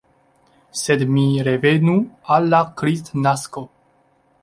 Sed mi revenu al la Kristnasko.